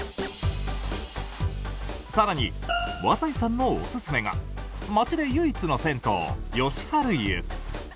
更に和才さんのおすすめが町で唯一の銭湯吉陽湯。